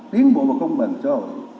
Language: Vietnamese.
tiến bộ và công bằng so